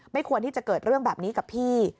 ควรที่จะเกิดเรื่องแบบนี้กับพี่